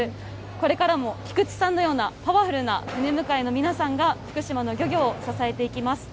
これからも菊地さんのようなパワフルな船迎えの皆さんが、福島の漁業を支えていきます。